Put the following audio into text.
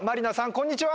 こんにちは